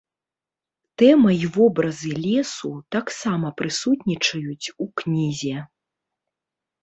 Тэма і вобразы лесу таксама прысутнічаюць у кнізе.